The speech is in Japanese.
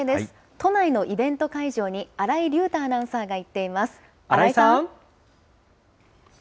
都内のイベント会場に、新井隆太アナウンサーが行っています。